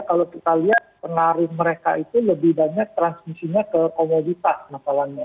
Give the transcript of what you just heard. kalau kita lihat pengaruh mereka itu lebih banyak transmisinya ke komoditas masalahnya